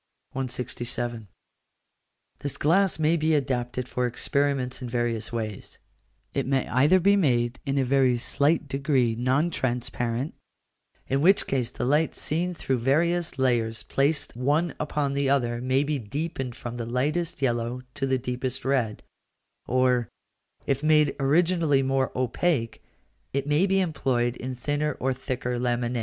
167. This glass may be adapted for experiments in various ways: it may either be made in a very slight degree non transparent, in which case the light seen through various layers placed one upon the other may be deepened from the lightest yellow to the deepest red, or, if made originally more opaque, it may be employed in thinner or thicker laminæ.